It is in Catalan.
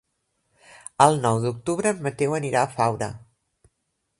El nou d'octubre en Mateu anirà a Faura.